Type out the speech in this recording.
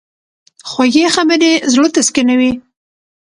خوږې خبرې زړه تسکینوي.